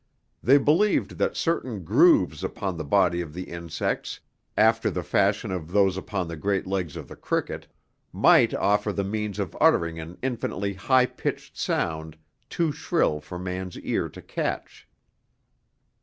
They believed that certain grooves upon the body of the insects, after the fashion of those upon the great legs of the cricket, might offer the means of uttering an infinitely high pitched sound too shrill for man's ears to catch.